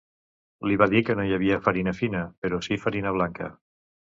Li va dir que no hi havia farina fina, però sí farina blanca.